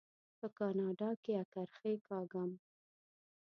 په کاناډا کې اکرښې کاږم.